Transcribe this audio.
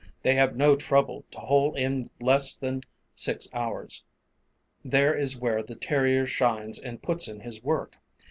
They have no trouble to hole in less than six hours, there is where the terrier shines and puts in his work.